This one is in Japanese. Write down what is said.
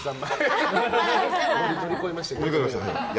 乗り越えましたね。